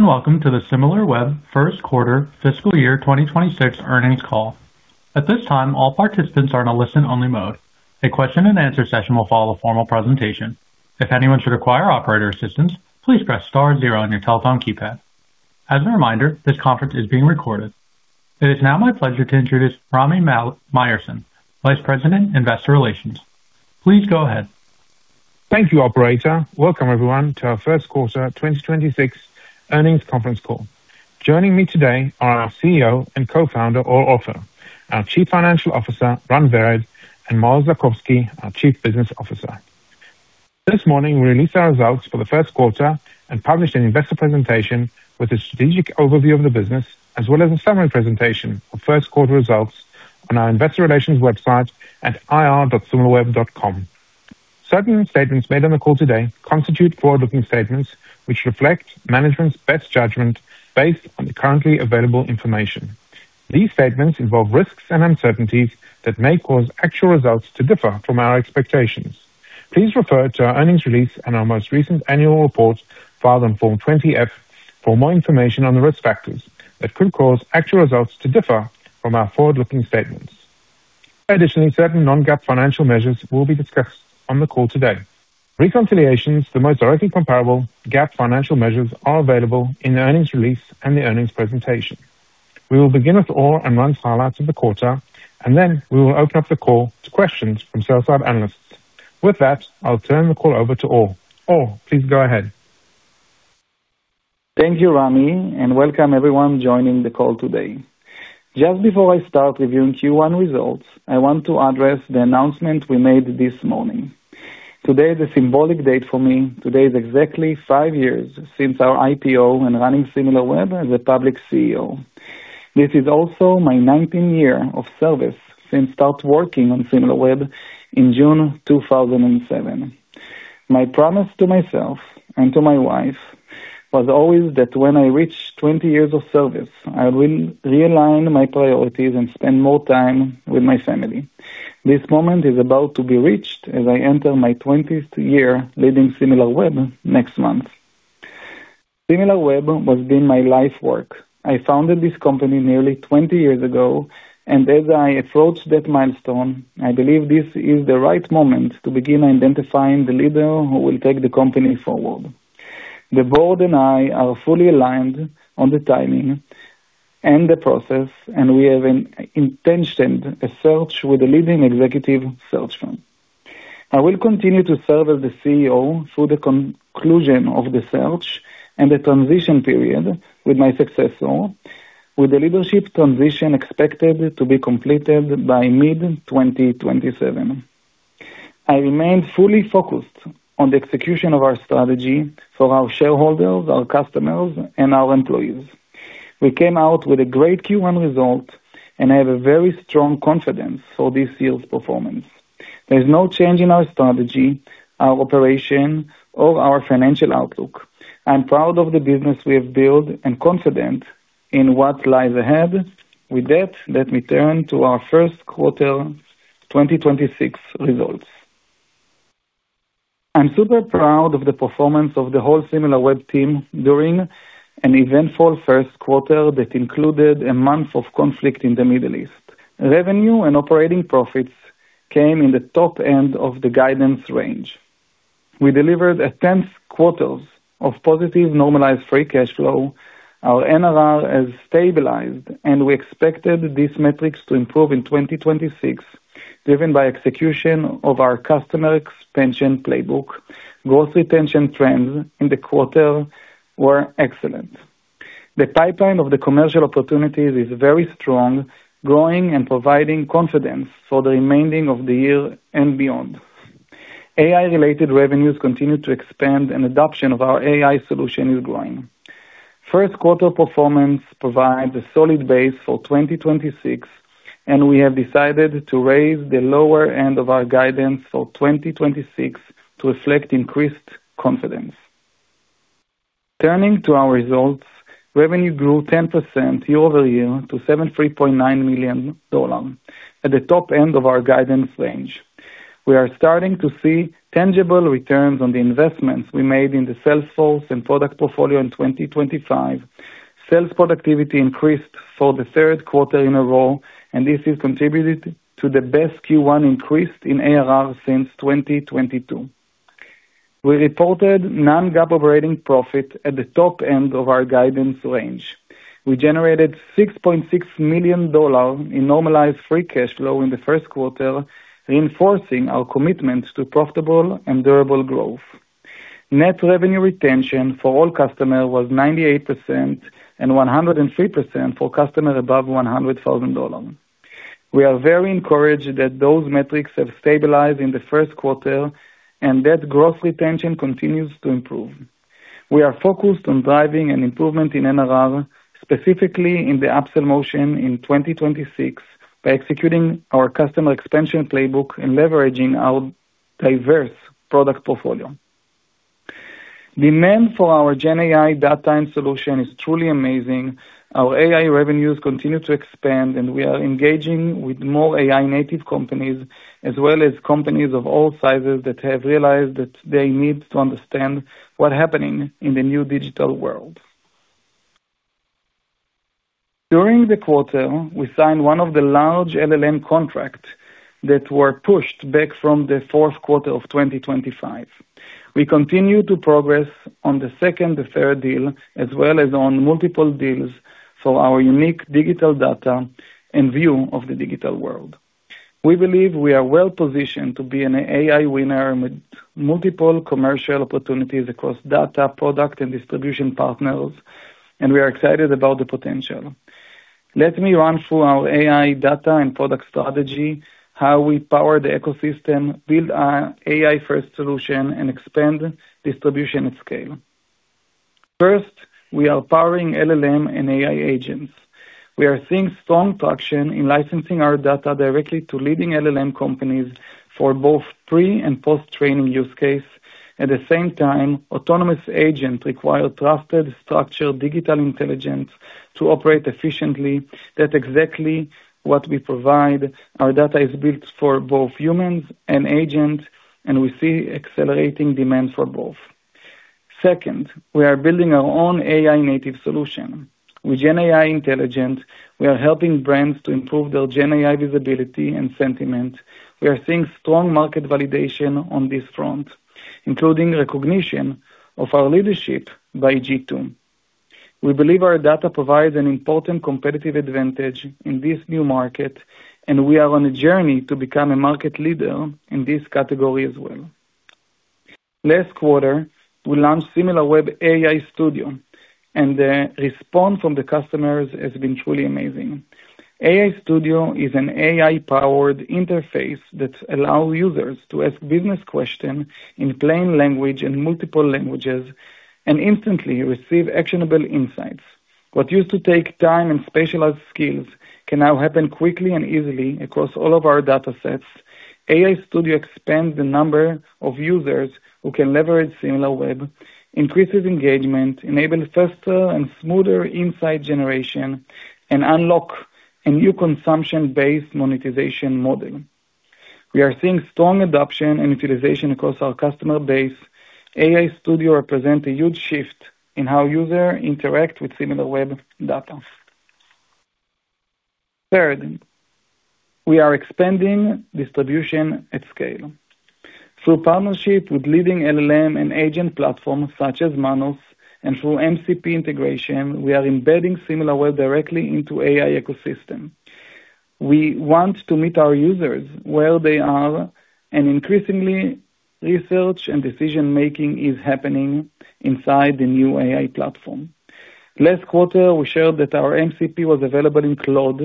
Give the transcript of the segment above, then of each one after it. Good evening, and welcome to the Similarweb first quarter fiscal year 2026 earnings call. It is now my pleasure to introduce Rami Myerson, Vice President, Investor Relations. Please go ahead. Thank you, operator. Welcome everyone to our first quarter 2026 earnings conference call. Joining me today are our CEO and co-founder, Or Offer, our Chief Financial Officer, Ran Vered, and Maoz Lakovski, our Chief Business Officer. This morning we released our results for the first quarter and published an investor presentation with a strategic overview of the business as well as a summary presentation of first quarter results on our investor relations website at ir.similarweb.com. Certain statements made on the call today constitute forward-looking statements which reflect management's best judgment based on the currently available information. These statements involve risks and uncertainties that may cause actual results to differ from our expectations. Please refer to our earnings release and our most recent annual report filed on Form 20-F for more information on the risk factors that could cause actual results to differ from our forward-looking statements. Additionally, certain non-GAAP financial measures will be discussed on the call today. Reconciliations to the most directly comparable GAAP financial measures are available in the earnings release and the earnings presentation. We will begin with Or and Ran's highlights of the quarter, and then we will open up the call to questions from sell-side analysts. With that, I'll turn the call over to Or. Or, please go ahead. Thank you, Rami, and welcome everyone joining the call today. Just before I start reviewing Q1 results, I want to address the announcement we made this morning. Today is a symbolic date for me. Today is exactly five years since our IPO and running Similarweb as a public CEO. This is also my 19th year of service since start working on Similarweb in June 2007. My promise to myself and to my wife was always that when I reach 20 years of service, I will realign my priorities and spend more time with my family. This moment is about to be reached as I enter my 20th year leading Similarweb next month. Similarweb has been my life work. I founded this company nearly 20 years ago, and as I approach that milestone, I believe this is the right moment to begin identifying the leader who will take the company forward. The board and I are fully aligned on the timing and the process, and we have initiated a search with the leading executive search firm. I will continue to serve as the CEO through the conclusion of the search and the transition period with my successor, with the leadership transition expected to be completed by mid-2027. I remain fully focused on the execution of our strategy for our shareholders, our customers, and our employees. We came out with a great Q1 result, and I have a very strong confidence for this year's performance. There is no change in our strategy, our operation or our financial outlook. I'm proud of the business we have built and confident in what lies ahead. With that, let me turn to our first quarter 2026 results. I'm super proud of the performance of the whole Similarweb team during an eventful first quarter that included month of conflict in the Middle East. Revenue and operating profits came in the top end of the guidance range. We delivered 10th quarters of positive normalized free cash flow. Our NRR has stabilized, and we expected these metrics to improve in 2026, driven by execution of our customer expansion playbook. Growth retention trends in the quarter were excellent. The pipeline of the commercial opportunities is very strong, growing and providing confidence for the remaining of the year and beyond. AI related revenues continue to expand and adoption of our AI solution is growing. First quarter performance provides a solid base for 2026, and we have decided to raise the lower end of our guidance for 2026 to reflect increased confidence. Turning to our results, revenue grew 10% year-over-year to $73.9 million at the top end of our guidance range. We are starting to see tangible returns on the investments we made in the sales force and product portfolio in 2025. Sales productivity increased for the third quarter in a row, and this has contributed to the best Q1 increase in ARR since 2022. We reported non-GAAP operating profit at the top end of our guidance range. We generated $6.6 million in normalized free cash flow in the first quarter, reinforcing our commitment to profitable and durable growth. Net revenue retention for all customers was 98% and 103% for customers above $100,000. We are very encouraged that those metrics have stabilized in the first quarter and that gross retention continues to improve. We are focused on driving an improvement in NRR, specifically in the upsell motion in 2026 by executing our customer expansion playbook and leveraging our diverse product portfolio. Demand for our GenAI data and solution is truly amazing. Our AI revenues continue to expand, and we are engaging with more AI native companies as well as companies of all sizes that have realized that they need to understand what happening in the new digital world. During the quarter, we signed one of the large LLM contracts that were pushed back from the fourth quarter of 2025. We continue to progress on the second and third deal as well as on multiple deals for our unique digital data and view of the digital world. We believe we are well-positioned to be an AI winner with multiple commercial opportunities across data, product, and distribution partners, and we are excited about the potential. Let me run through our AI data and product strategy, how we power the ecosystem, build our AI-first solution, and expand distribution at scale. First, we are powering LLM and AI agents. We are seeing strong traction in licensing our data directly to leading LLM companies for both pre and post-training use case. At the same time, autonomous agents require trusted, structured digital intelligence to operate efficiently. That's exactly what we provide. Our data is built for both humans and agents, and we see accelerating demand for both. Second, we are building our own AI native solution. With GenAI Intelligence, we are helping brands to improve their GenAI visibility and sentiment. We are seeing strong market validation on this front, including recognition of our leadership by G2. We believe our data provides an important competitive advantage in this new market, and we are on a journey to become a market leader in this category as well. Last quarter, we launched Similarweb AI Studio, and the response from the customers has been truly amazing. AI Studio is an AI-powered interface that allows users to ask business questions in plain language and multiple languages and instantly receive actionable insights. What used to take time and specialized skills can now happen quickly and easily across all of our datasets. AI Studio expands the number of users who can leverage Similarweb, increases engagement, enable faster and smoother insight generation, and unlock a new consumption-based monetization model. We are seeing strong adoption and utilization across our customer base. AI Studio represent a huge shift in how user interact with Similarweb data. Third, we are expanding distribution at scale. Through partnership with leading LLM and agent platforms such as Manus and through MCP integration, we are embedding Similarweb directly into AI ecosystem. We want to meet our users where they are, and increasingly, research and decision-making is happening inside the new AI platform. Last quarter, we shared that our MCP was available in Claude,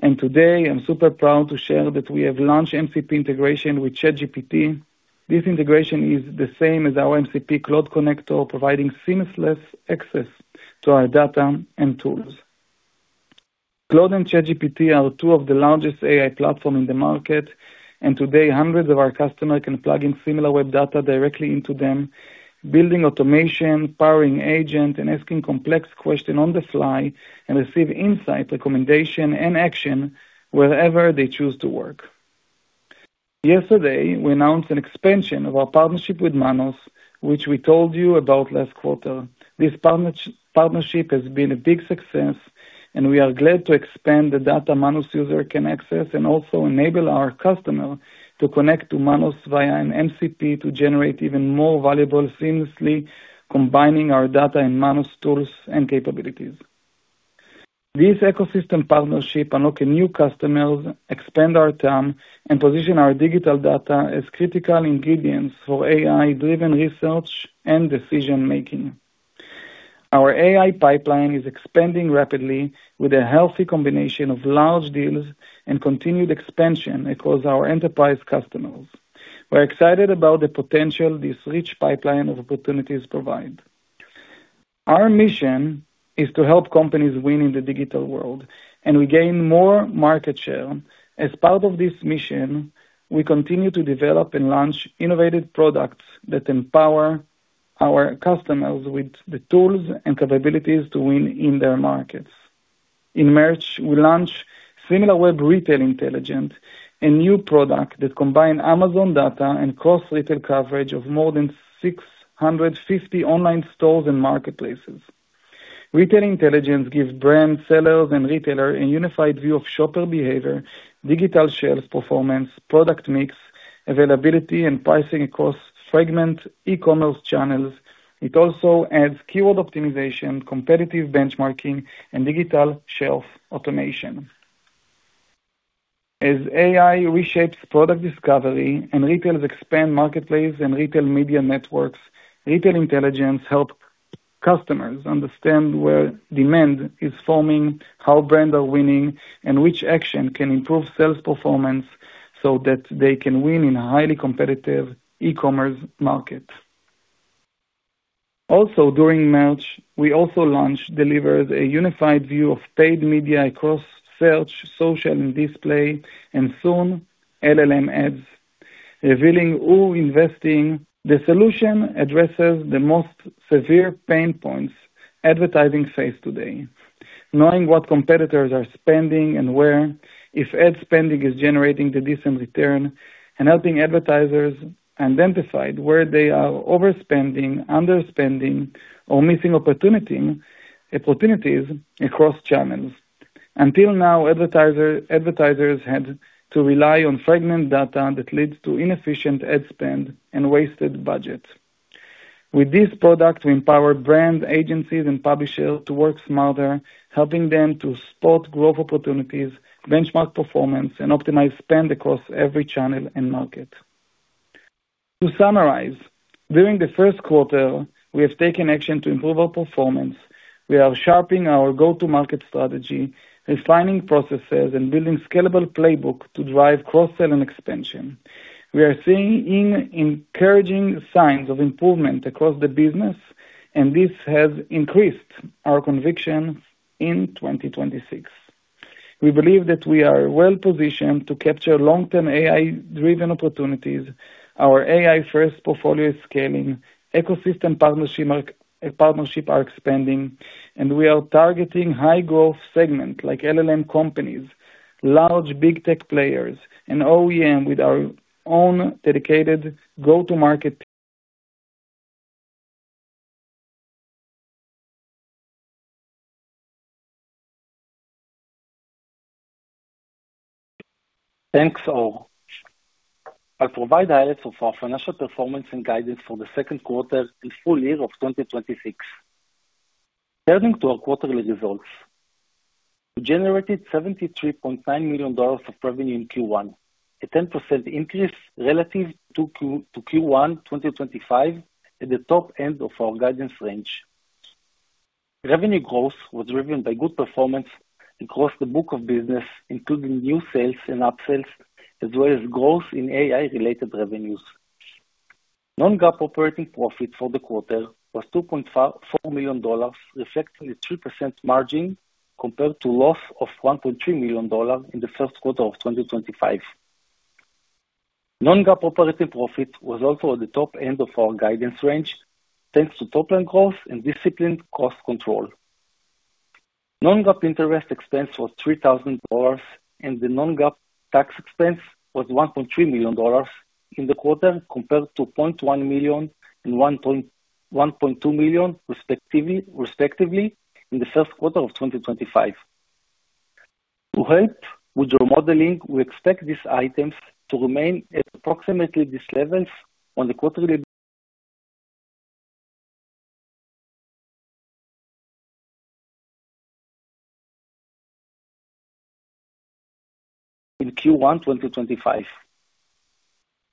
and today I'm super proud to share that we have launched MCP integration with ChatGPT. This integration is the same as our MCP Claude connector, providing seamless access to our data and tools. Claude and ChatGPT are two of the largest AI platform in the market, and today hundreds of our customers can plug in Similarweb data directly into them, building automation, powering agent, and asking complex question on the fly and receive insight, recommendation, and action wherever they choose to work. Yesterday, we announced an expansion of our partnership with Manus, which we told you about last quarter. This partnership has been a big success, and we are glad to expand the data Manus user can access and also enable our customer to connect to Manus via an MCP to generate even more valuable seamlessly, combining our data and Manus tools and capabilities. This ecosystem partnership unlock a new customers, expand our TAM, and position our digital data as critical ingredients for AI-driven research and decision-making. Our AI pipeline is expanding rapidly with a healthy combination of large deals and continued expansion across our enterprise customers. We're excited about the potential this rich pipeline of opportunities provide. Our mission is to help companies win in the digital world, and we gain more market share. As part of this mission, we continue to develop and launch innovative products that empower our customers with the tools and capabilities to win in their markets. In March, we launched Similarweb Retail Intelligence, a new product that combine Amazon data and cross-retail coverage of more than 650 online stores and marketplaces. Retail Intelligence gives brand, sellers, and retailer a unified view of shopper behavior, digital shelf performance, product mix, availability, and pricing across fragment e-commerce channels. It also adds keyword optimization, competitive benchmarking, and digital shelf automation. As AI reshapes product discovery and retailers expand marketplace and retail media networks, Retail Intelligence help customers understand where demand is forming, how brands are winning, and which actions can improve sales performance so that they can win in a highly competitive e-commerce market. During March, we also launched Delivered, a unified view of paid media across search, social, and display, and soon LLM ads, revealing The solution addresses the most severe pain points advertisers face today. Knowing what competitors are spending and where, if ad spending is generating the decent return, and helping advertisers identify where they are overspending, underspending, or missing opportunities across channels. Until now, advertisers had to rely on fragment data that leads to inefficient ad spend and wasted budget. With this product, we empower brands, agencies, and publishers to work smarter, helping them to spot growth opportunities, benchmark performance, and optimize spend across every channel and market. To summarize, during the first quarter, we have taken action to improve our performance. We are sharpening our go-to-market strategy, refining processes, and building scalable playbook to drive cross-sell and expansion. We are seeing encouraging signs of improvement across the business, and this has increased our conviction in 2026. We believe that we are well-positioned to capture long-term AI-driven opportunities. Our AI-first portfolio is scaling, ecosystem partnership are expanding, and we are targeting high growth segment like LLM companies, large big tech players, and OEM with our own dedicated go-to-market. Thanks, all. I'll provide highlights of our financial performance and guidance for the second quarter and full year of 2026. Turning to our quarterly results. We generated $73.9 million of revenue in Q1, a 10% increase relative to Q1 2025 at the top end of our guidance range. Revenue growth was driven by good performance across the book of business, including new sales and upsells, as well as growth in AI-related revenues. Non-GAAP operating profit for the quarter was $2.4 million, reflecting a 3% margin compared to loss of $1.3 million in the first quarter of 2025. Non-GAAP operating profit was also at the top end of our guidance range, thanks to top-line growth and disciplined cost control. Non-GAAP interest expense was $3,000, and the non-GAAP tax expense was $1.3 million in the quarter, compared to $0.1 million and $1.2 million respectively in the first quarter of 2025. To help with your modeling, we expect these items to remain at approximately these levels on a quarterly in Q1 2025.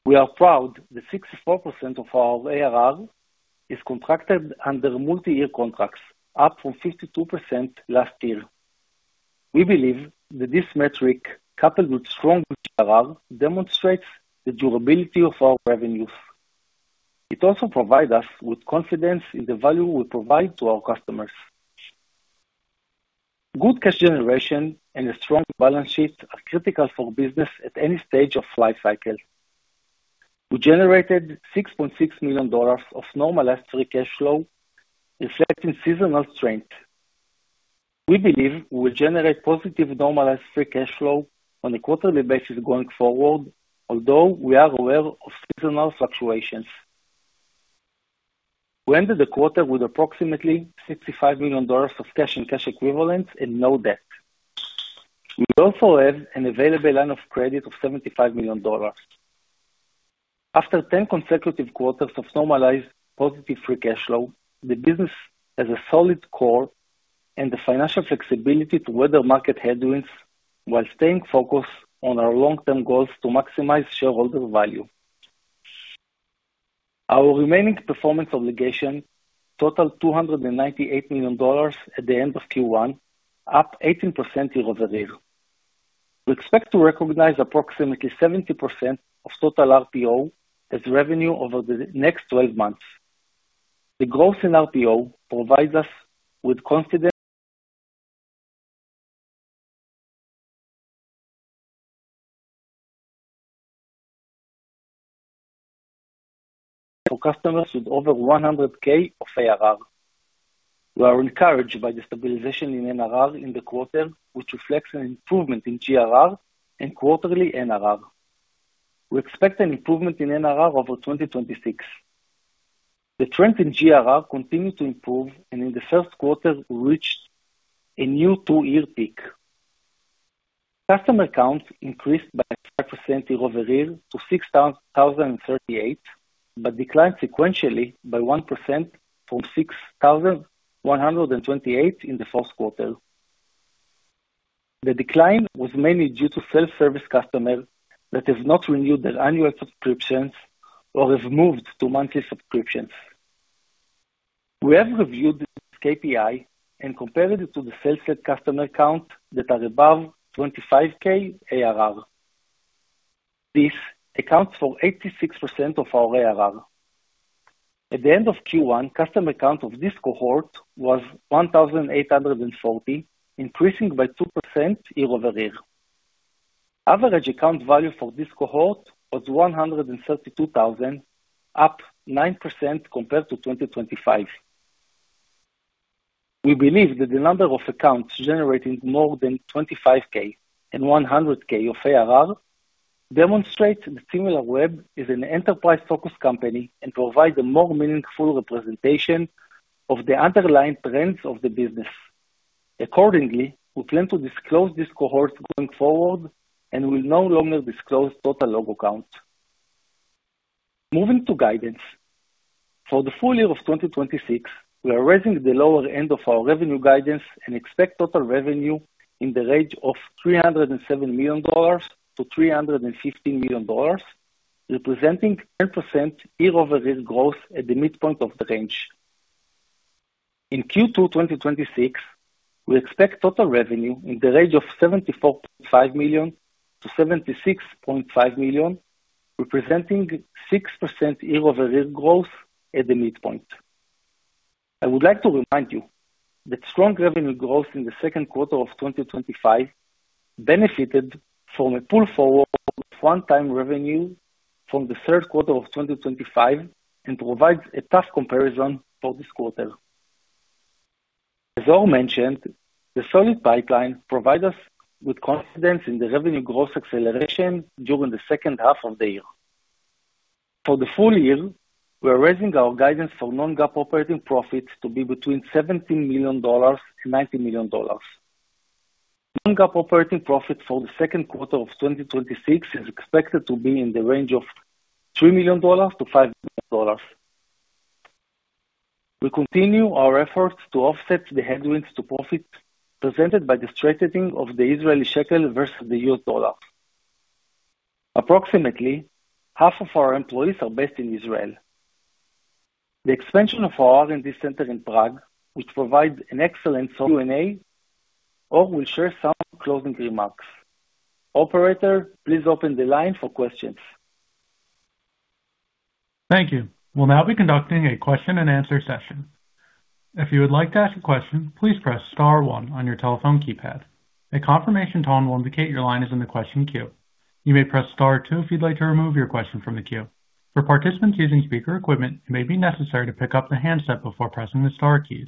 We are proud that 64% of our ARR is contracted under multi-year contracts, up from 52% last year. We believe that this metric, coupled with strong ARR, demonstrates the durability of our revenues. It also provide us with confidence in the value we provide to our customers. Good cash generation and a strong balance sheet are critical for business at any stage of life cycle. We generated $6.6 million of normalized free cash flow, reflecting seasonal strength. We believe we generate positive normalized free cash flow on a quarterly basis going forward, although we are aware of seasonal fluctuations. We ended the quarter with approximately $65 million of cash and cash equivalents and no debt. We also have an available line of credit of $75 million. After 10 consecutive quarters of normalized positive free cash flow, the business has a solid core and the financial flexibility to weather market headwinds while staying focused on our long-term goals to maximize shareholder value. Our remaining performance obligation totaled $298 million at the end of Q1, up 18% year-over-year. We expect to recognize approximately 70% of total RPO as revenue over the next 12 months. The growth in RPO provides us with confidence for customers with over $100,000 of ARR. We are encouraged by the stabilization in NRR in the quarter, which reflects an improvement in GRR and quarterly NRR. We expect an improvement in NRR over 2026. The trend in GRR continued to improve. In the first quarter, we reached a new two-year peak. Customer count increased by 5% year-over-year to 6,038, declined sequentially by 1% from 6,128 in the fourth quarter. The decline was mainly due to self-service customers that have not renewed their annual subscriptions or have moved to monthly subscriptions. We have reviewed this KPI and compared it to the sales rep customer count that are above $25,000 ARR. This accounts for 86% of our ARR. At the end of Q1, customer count of this cohort was 1,840, increasing by 2% year-over-year. Average account value for this cohort was $132,000, up 9% compared to 2025. We believe that the number of accounts generating more than $25,000 and $100,000 of ARR demonstrate that Similarweb is an enterprise-focused company and provide a more meaningful representation of the underlying trends of the business. Accordingly, we plan to disclose these cohorts going forward and will no longer disclose total logo count. Moving to guidance. For the full year of 2026, we are raising the lower end of our revenue guidance and expect total revenue in the range of $307 million-$350 million, representing 10% year-over-year growth at the midpoint of the range. In Q2 2026, we expect total revenue in the range of $74.5 million-$76.5 million, representing 6% year-over-year growth at the midpoint. I would like to remind you that strong revenue growth in the second quarter of 2025 benefited from a pull forward one-time revenue from the third quarter of 2025 and provides a tough comparison for this quarter. As Or mentioned, the solid pipeline provides us with confidence in the revenue growth acceleration during the second half of the year. For the full year, we are raising our guidance for non-GAAP operating profits to be between $17 million and $19 million. Non-GAAP operating profit for the second quarter of 2026 is expected to be in the range of $3 million-$5 million. We continue our efforts to offset the headwinds to profit presented by the strengthening of the Israeli shekel versus the U.S. dollar. Approximately half of our employees are based in Israel. The expansion of our R&D center in Prague, which provides an. Q&A. Or will share some closing remarks. Operator, please open the line for questions. Thank you. We'll now be conducting a question and answer session. If you would like to ask a question, please press star one on your telephone keypad. A confirmation time will indicate your line is in the question queue. You may press star two if you'd like to remove your question from the queue. For participants using speaker equipment, it may be necessary to pick up the handset before pressing the star keys.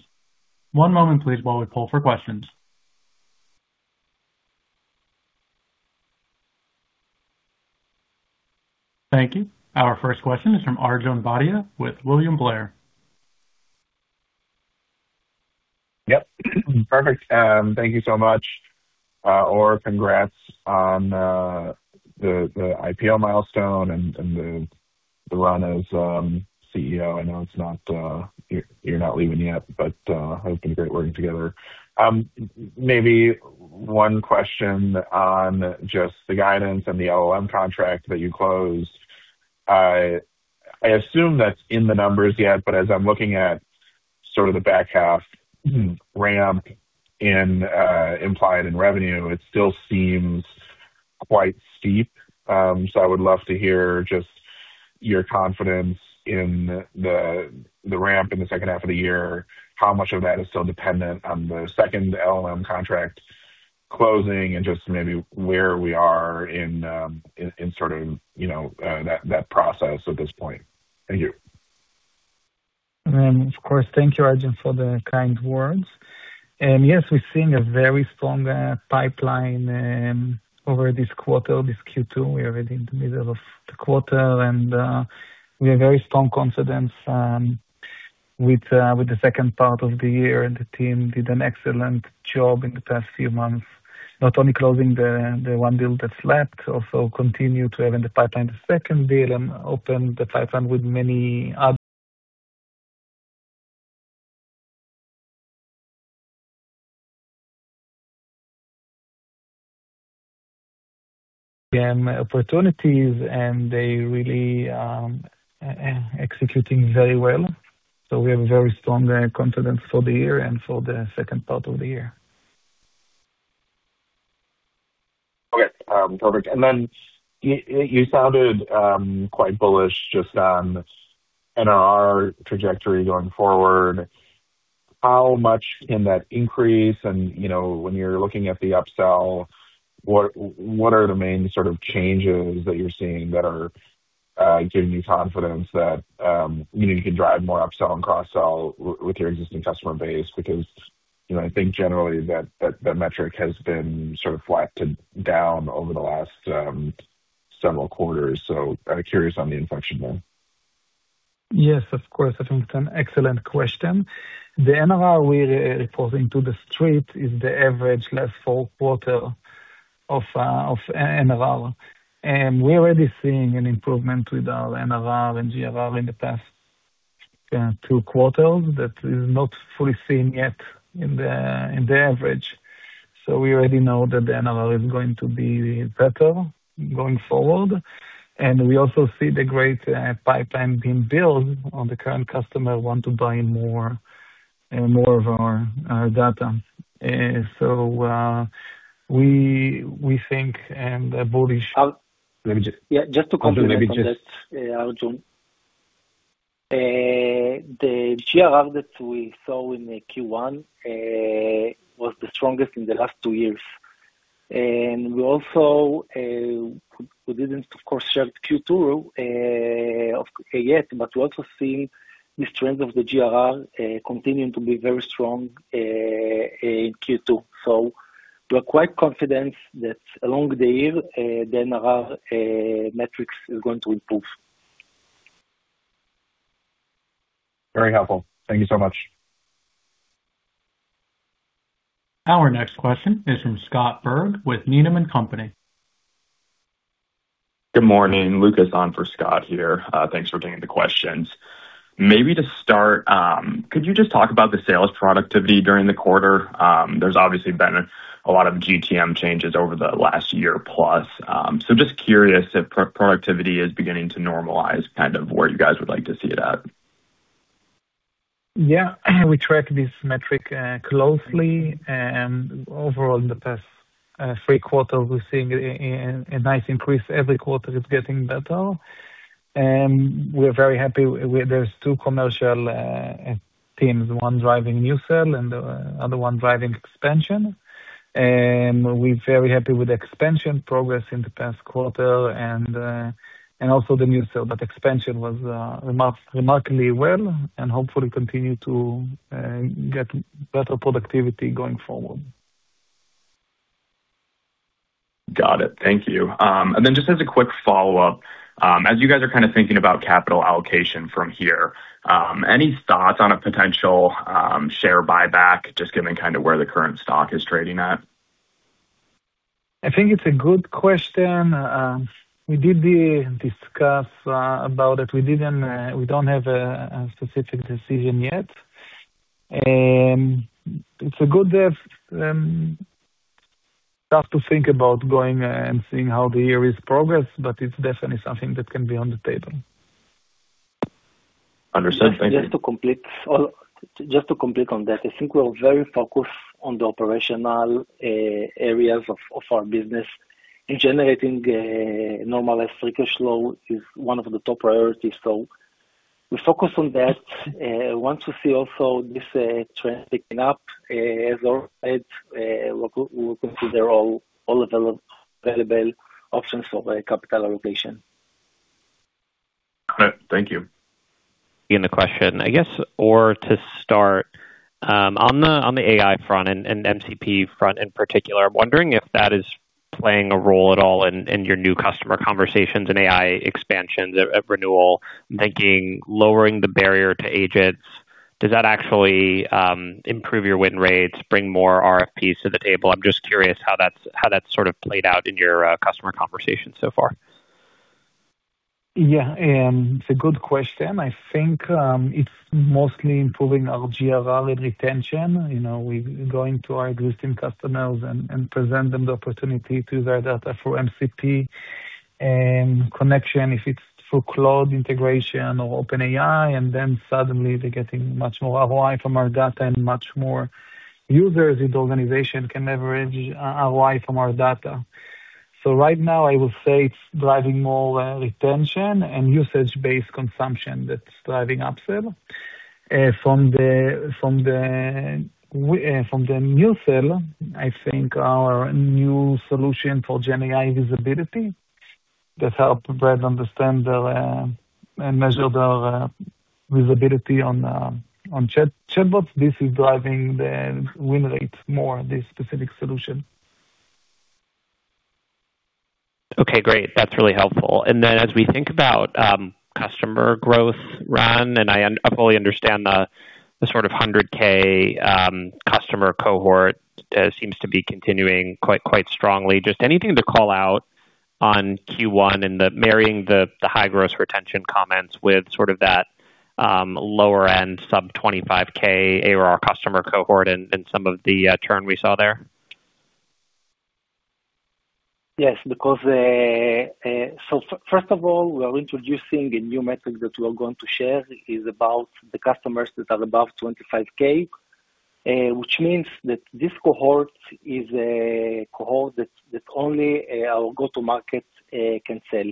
One moment please, while we pull for questions. Thank you. Our first question is from Arjun Bhatia with William Blair. Yep. Perfect. Thank you so much. Or, congrats on the IPO milestone and the run as CEO. I know it's not, you're not leaving yet, but has been great working together. Maybe one question on just the guidance and the LLM contract that you closed. I assume that's in the numbers yet, but as I'm looking at sort of the back half ramp in implied in revenue, it still seems quite steep. I would love to hear just your confidence in the ramp in the second half of the year, how much of that is still dependent on the second LLM contract closing and just maybe where we are in sort of, you know, that process at this point. Thank you. Of course, thank you, Arjun, for the kind words. Yes, we're seeing a very strong pipeline over this quarter, this Q2. We are already in the middle of the quarter, we have very strong confidence with the second part of the year. The team did an excellent job in the past few months, not only closing the one deal that's left, also continue to have in the pipeline the second deal and open the pipeline with many other opportunities, and they really executing very well. We have very strong confidence for the year and for the second part of the year. Okay. Perfect. Then you sounded quite bullish just on NRR trajectory going forward. How much can that increase? You know, when you're looking at the upsell, what are the main sort of changes that you're seeing that are giving you confidence that, you know, you can drive more upsell and cross-sell with your existing customer base? Because, you know, I think generally that, that metric has been sort of flattened down over the last several quarters. Curious on the inflection there. Yes, of course. I think it's an excellent question. The NRR we're reporting to the street is the average last four quarter of NRR. We're already seeing an improvement with our NRR and GRR in the past two quarters that is not fully seen yet in the average. We already know that the NRR is going to be better going forward. We also see the great pipeline being built on the current customer want to buy more more of our data. Let me just, yeah, just to complement on that, Arjun. The GRR that we saw in the Q1 was the strongest in the last two years. We also didn't, of course, share the Q2 yet. We also seeing the strength of the GRR continuing to be very strong in Q2. We're quite confident that along the year, the NRR metrics is going to improve. Very helpful. Thank you so much. Our next question is from Scott Berg with Needham & Company. Good morning, Lucas on for Scott here. Thanks for taking the questions. Maybe to start, could you just talk about the sales productivity during the quarter? There's obviously been a lot of GTM changes over the last year plus. Just curious if productivity is beginning to normalize kind of where you guys would like to see it at. Yeah. We track this metric closely and overall in the past three quarters, we're seeing a nice increase. Every quarter it's getting better. We're very happy. There's two commercial teams, one driving new sales and the other one driving expansion. We're very happy with the expansion progress in the past quarter and also the new sales. Expansion was remarkably well and hopefully continue to get better productivity going forward. Got it. Thank you. Just as a quick follow-up, as you guys are kinda thinking about capital allocation from here, any thoughts on a potential share buyback just given kind of where the current stock is trading at? I think it's a good question. We did discuss about it. We don't have a specific decision yet. It's a good start to think about going and seeing how the year is progress, but it's definitely something that can be on the table. Understood. Thank you. Just to complete on that, I think we're very focused on the operational areas of our business, and generating a normalized free cash flow is one of the top priorities. We focus on that. Once we see also this trend picking up, as Or said, we'll consider all available options for the capital allocation. All right. Thank you. In the question, I guess, Or to start, on the AI front and MCP front in particular, I'm wondering if that is playing a role at all in your new customer conversations and AI expansions of renewal, thinking lowering the barrier to agents. Does that actually improve your win rates, bring more RFPs to the table? I'm just curious how that's sort of played out in your customer conversations so far. It's a good question. I think it's mostly improving our GRR and retention. You know, we're going to our existing customers and present them the opportunity to their data for MCP connection if it's through cloud integration or OpenAI, and then suddenly they're getting much more ROI from our data and much more users in the organization can leverage ROI from our data. Right now I would say it's driving more retention and usage-based consumption that's driving upsell. From the new sell, I think our new solution for GenAI visibility that help them understand their and measure their visibility on chatbots, this is driving the win rates more, this specific solution. Okay, great. That's really helpful. As we think about customer growth, Ran, I fully understand the sort of $100,000 customer cohort seems to be continuing quite strongly. Just anything to call out on Q1 and marrying the high gross retention comments with sort of that lower end sub $25,000 ARR customer cohort and some of the turn we saw there. Yes, first of all, we are introducing a new metric that we are going to share is about the customers that are above $25,000, which means that this cohort is a cohort that only our go-to-market can sell.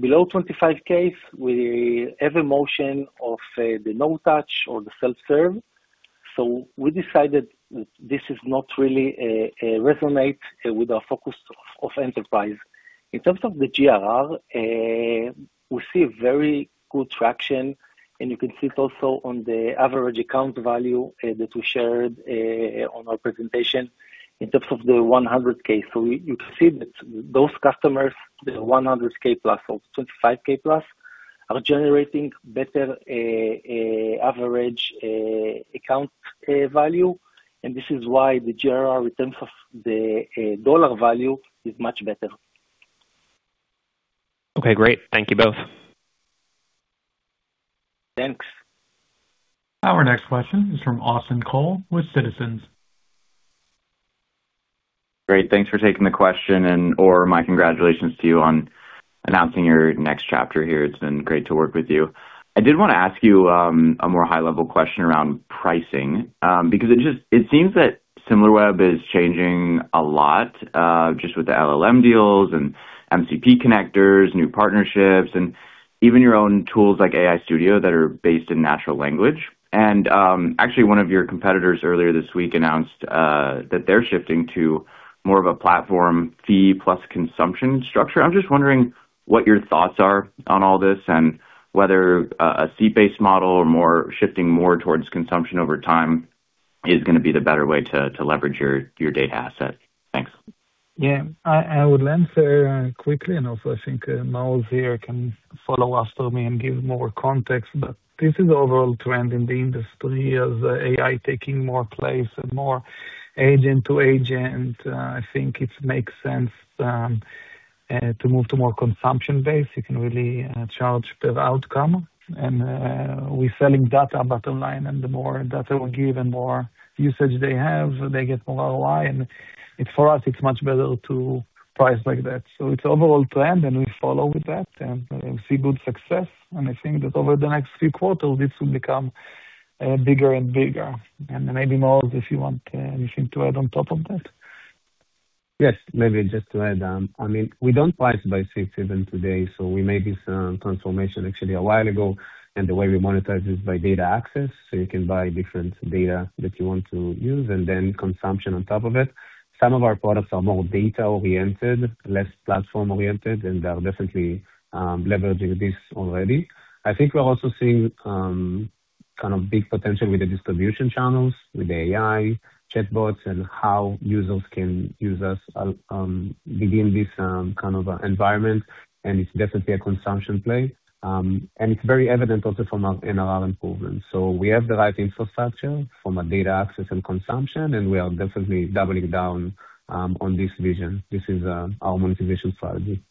Below $25,000, we have a motion of the no touch or the self-serve. We decided this is not really resonate with our focus of enterprise. In terms of the GRR, we see very good traction, and you can see it also on the average account value that we shared on our presentation in terms of the $100,000. You see that those customers, the $100,000+ or $25,000+ are generating better average account value, and this is why the GRR in terms of the dollar value is much better. Okay, great. Thank you both. Thanks. Our next question is from Austin Cole with Citizens. Great. Thanks for taking the question, and Or my congratulations to you on announcing your next chapter here. It's been great to work with you. I did wanna ask you a more high-level question around pricing, because it seems that Similarweb is changing a lot, just with the LLM deals and MCP connectors, new partnerships, and even your own tools like AI Studio that are based in natural language. Actually one of your competitors earlier this week announced that they're shifting to more of a platform fee plus consumption structure. I'm just wondering what your thoughts are on all this and whether a seat-based model or shifting more towards consumption over time is gonna be the better way to leverage your data assets. Yeah, I would answer quickly and also I think Maoz here can follow after me and give more context. This is the overall trend in the industry as AI taking more place and more agent to agent. I think it makes sense to move to more consumption-based. You can really charge per outcome. We're selling data bottom line, and the more data we give and more usage they have, they get more ROI. For us, it's much better to price like that. It's overall trend, and we follow with that and we see good success. I think that over the next few quarters, this will become bigger and bigger. Maybe, Maoz, if you want anything to add on top of that. Yes. Maybe just to add, I mean, we don't price by seats even today, so we made this transformation actually a while ago. The way we monetize is by data access, so you can buy different data that you want to use and then consumption on top of it. Some of our products are more data-oriented, less platform-oriented, and they are definitely leveraging this already. I think we're also seeing kind of big potential with the distribution channels, with the AI chatbots and how users can use us within this kind of environment. It's definitely a consumption play. It's very evident also from our NRR improvements. We have the right infrastructure from a data access and consumption, and we are definitely doubling down on this vision. This is our monetization strategy.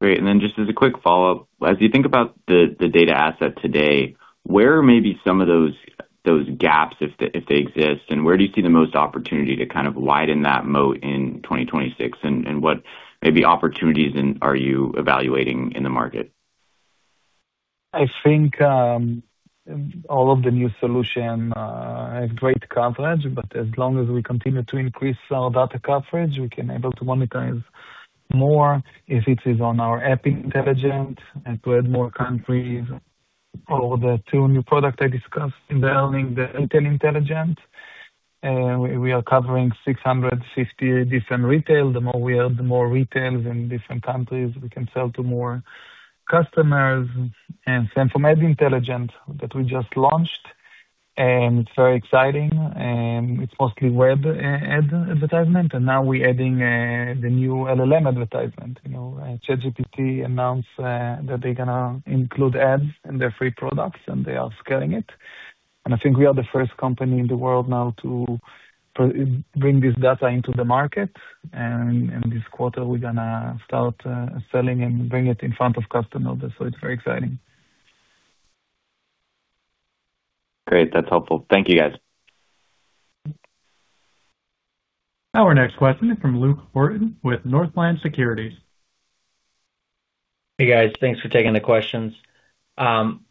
Great. Then just as a quick follow-up, as you think about the data asset today, where are maybe some of those gaps, if they exist, and where do you see the most opportunity to kind of widen that moat in 2026? What maybe opportunities are you evaluating in the market? I think all of the new solution have great coverage. As long as we continue to increase our data coverage, we can able to monetize more if it is on our App Intelligence and to add more countries. The two new products I discussed, the Retail Intelligence, we are covering 650 different retail. The more we add, the more retails in different countries, we can sell to more customers. Same for Media Intelligence that we just launched. It's very exciting, it's mostly web advertisement, and now we're adding the new LLM advertisement. You know, ChatGPT announced that they're gonna include ads in their free products, and they are scaling it. I think we are the first company in the world now to bring this data into the market. This quarter we're gonna start selling and bring it in front of customers. It's very exciting. Great. That's helpful. Thank you, guys. Our next question is from Luke Horton with Northland Securities. Hey, guys. Thanks for taking the questions. It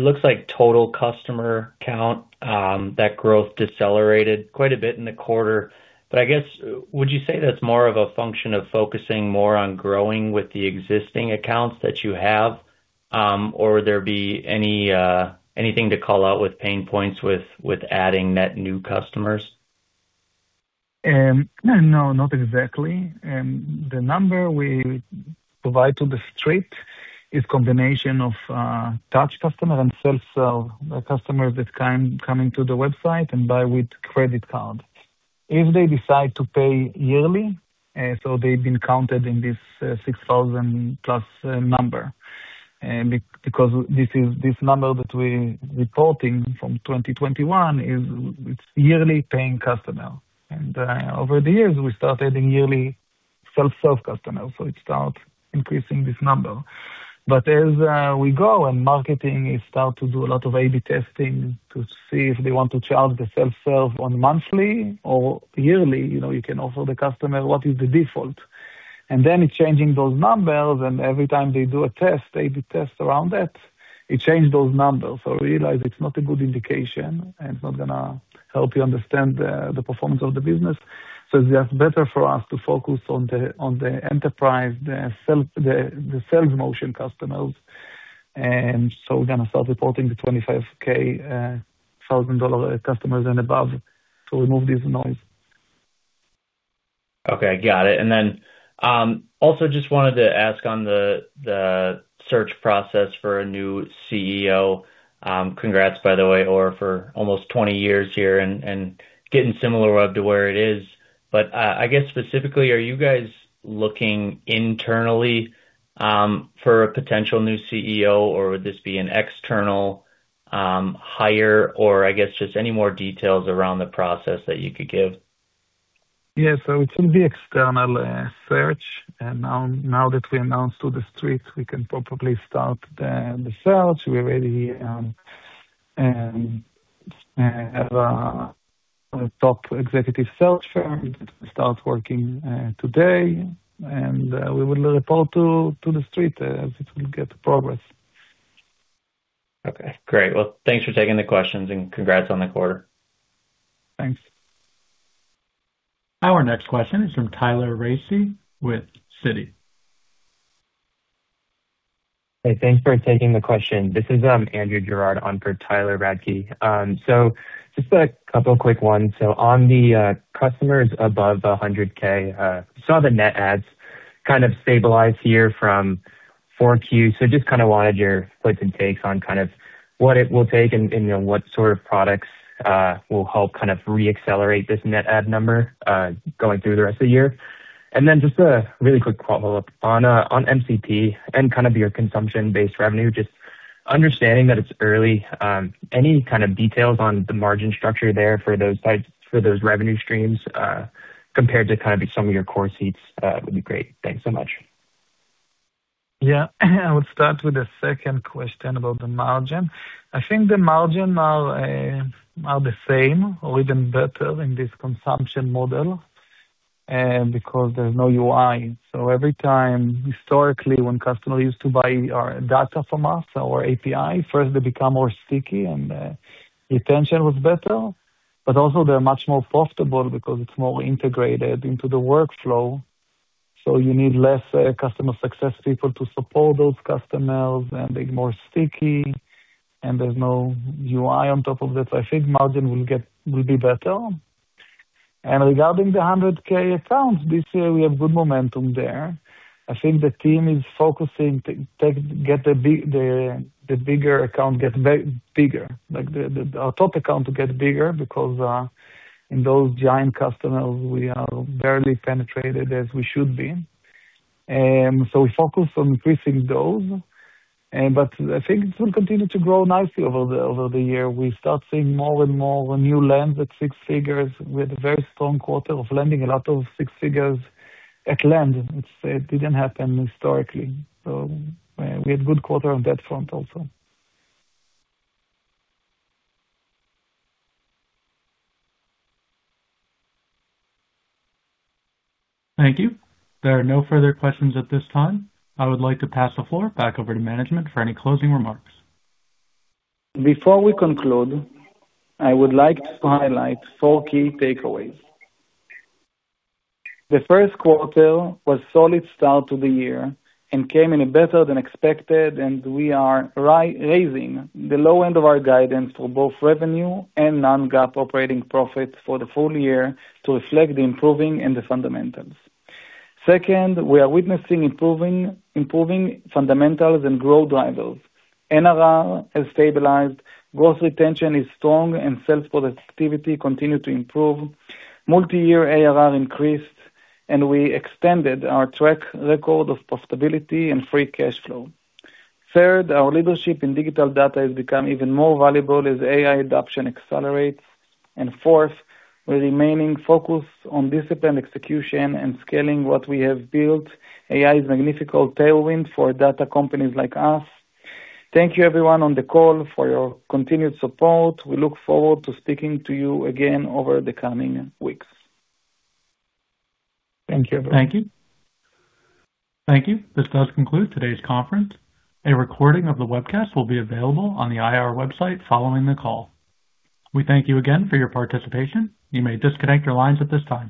looks like total customer count, that growth decelerated quite a bit in the quarter. I guess, would you say that's more of a function of focusing more on growing with the existing accounts that you have? Would there be any anything to call out with pain points with adding net new customers? No, not exactly. The number we provide to the street is combination of touch customer and self-serve. The customer that coming to the website and buy with credit card. If they decide to pay yearly, so they've been counted in this 6,000+ number. Because this number that we're reporting from 2021 is it's yearly paying customer. Over the years, we started adding yearly self-serve customers, so it start increasing this number. As we go and marketing is start to do a lot of A/B testing to see if they want to charge the self-serve on monthly or yearly, you know, you can offer the customer what is the default. Then it's changing those numbers, and every time they do a test, they do tests around that, it changed those numbers. Realize it's not a good indication, and it's not gonna help you understand the performance of the business. It's just better for us to focus on the enterprise, the sales motion customers. We're gonna start reporting the $25,000 customers and above to remove this noise. Okay, got it. Then, also just wanted to ask on the search process for a new CEO. Congrats by the way, Or, for almost 20 years here and getting Similarweb to where it is. I guess specifically, are you guys looking internally for a potential new CEO, or would this be an external hire? I guess just any more details around the process that you could give. Yeah. It will be external search. Now that we announced to the street, we can probably start the search. We already have a top executive search firm start working today, and we will report to the street as it will get progress. Okay, great. Well, thanks for taking the questions, and congrats on the quarter. Thanks. Our next question is from Tyler Radke with Citi. Hey, thanks for taking the question. This is Andrew Girard on for Tyler Radke. Just a couple quick ones. On the customers above $100,000, saw the net adds kind of stabilize here from Q4. Just kind of wanted your puts and takes on kind of what it will take and, you know, what sort of products will help kind of re-accelerate this net add number going through the rest of the year. Just a really quick follow-up on MCP and kind of your consumption-based revenue, just understanding that it's early, any kind of details on the margin structure there for those revenue streams compared to kind of some of your core seats would be great. Thanks so much. I would start with the second question about the margin. I think the margin are the same or even better in this consumption model because there's no UI. Every time historically when customer used to buy our data from us, our API, first they become more sticky and retention was better. Also they're much more profitable because it's more integrated into the workflow, so you need less customer success people to support those customers, and they're more sticky, and there's no UI on top of that. I think margin will be better. Regarding the $100,000 accounts, this year we have good momentum there. I think the team is focusing to get the bigger account get bigger. Like, our top account to get bigger because in those giant customers we are barely penetrated as we should be. We focus on increasing those. I think it will continue to grow nicely over the year. We start seeing more and more new lens at six figures with a very strong quarter of lending, a lot of six figures at lend, which it didn't happen historically. We had good quarter on that front also. Thank you. There are no further questions at this time. I would like to pass the floor back over to management for any closing remarks. Before we conclude, I would like to highlight four key takeaways. The first quarter was solid start to the year and came in better than expected, we are raising the low end of our guidance for both revenue and non-GAAP operating profits for the full year to reflect the improving and the fundamentals. Second, we are witnessing improving fundamentals and growth drivers. NRR has stabilized, growth retention is strong, and sales productivity continue to improve. Multi-year ARR increased, we extended our track record of profitability and free cash flow. Third, our leadership in digital data has become even more valuable as AI adoption accelerates. Fourth, we're remaining focused on disciplined execution and scaling what we have built. AI is magnificent tailwind for data companies like us. Thank you everyone on the call for your continued support. We look forward to speaking to you again over the coming weeks. Thank you. Thank you. Thank you. This does conclude today's conference. A recording of the webcast will be available on the IR website following the call. We thank you again for your participation. You may disconnect your lines at this time.